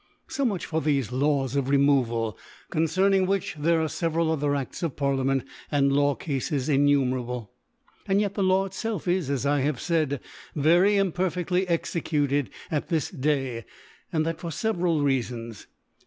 So much for thefe Laws of Removal, concerning which there are fevcral other A6ts of Parliament and Law Cafes innu merable. And yet the Law itfelf is, as I have faid, very impcrfeftly executed at this Day, and that for feveral Reafons. * 8 and ^ fT.